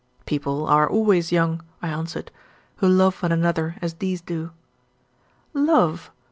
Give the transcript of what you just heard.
"People are always young," I answered, "who love one another as these do." "Love!